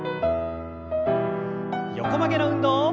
横曲げの運動。